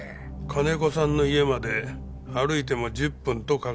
金子さんの家まで歩いても１０分とかかりません。